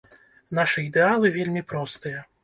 Нашы ідэалы вельмі простыя.